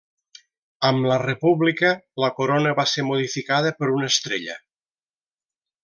Amb la República, la corona va ser modificada per una estrella.